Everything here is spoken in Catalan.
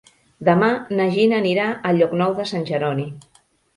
Demà na Gina anirà a Llocnou de Sant Jeroni.